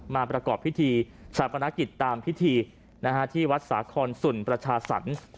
มาประกอบพิธีสารพนักกิจตามพิธีที่วัดสาขอนสุลประชาศันทร์